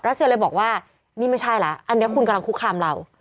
เซียเลยบอกว่านี่ไม่ใช่แล้วอันนี้คุณกำลังคุกคามเรา